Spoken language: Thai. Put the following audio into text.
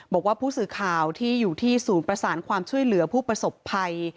บอกว่าผู้สื่อข่าวที่อยู่ที่ศูนย์ประสานความช่วยเหลือผู้ประสบภัย